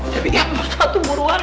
tapi ya satu buruan ya